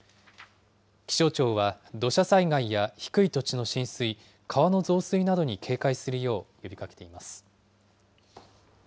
気象庁は土砂災害や低い土地の浸水、川の増水などに警戒するよう呼びかけています。